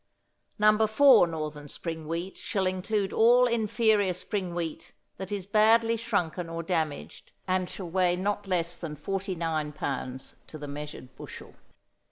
No. 4 Northern Spring Wheat shall include all inferior spring wheat that is badly shrunken or damaged, and shall weigh not less than 49 pounds to the measured bushel.